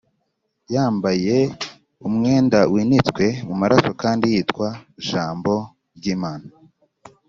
Yambaye umwenda winitswe mu maraso kandi yitwa Jambo ry’Imana.